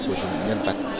của những nhân vật